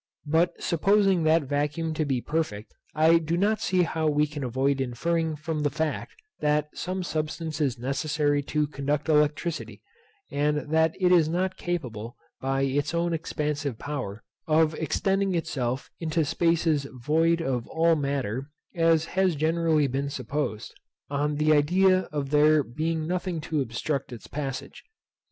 But supposing that vacuum to be perfect, I do not see how we can avoid inferring from the fact, that some substance is necessary to conduct electricity; and that it is not capable, by its own expansive power, of extending itself into spaces void of all matter, as has generally been supposed, on the idea of there being nothing to obstruct its passage.